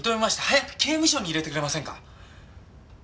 早く刑務所に入れてくれませんか？